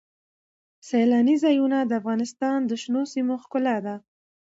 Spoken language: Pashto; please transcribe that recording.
سیلاني ځایونه د افغانستان د شنو سیمو ښکلا ده.